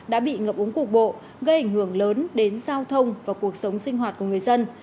đã bị ngập úng cục bộ gây ảnh hưởng lớn đến giao thông và cuộc sống sinh hoạt của người dân